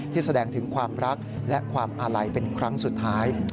แสดงถึงความรักและความอาลัยเป็นครั้งสุดท้าย